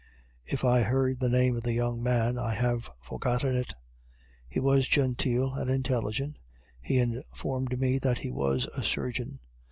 If I heard the name of the young man I have forgotten it. He was genteel and intelligent. He informed me that he was a Surgeon.